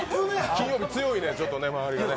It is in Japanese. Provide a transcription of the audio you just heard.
金曜日強いね、周りがね。